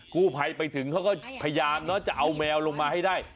กู้ภัยไปถึงเขาก็พยายามเนอะจะเอาแมวลงมาให้ได้